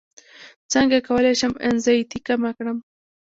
څنګه کولی شم انزیتي کمه کړم